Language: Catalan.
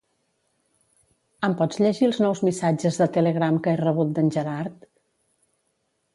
Em pots llegir els nous missatges de Telegram que he rebut d'en Gerard?